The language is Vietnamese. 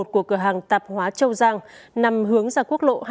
của cửa hàng tạp hóa châu giang nằm hướng ra quốc lộ hai trăm bảy mươi chín